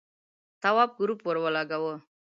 تواب گروپ ور ولگاوه.